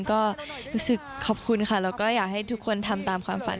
ก็รู้สึกขอบคุณค่ะแล้วก็อยากให้ทุกคนทำตามความฝัน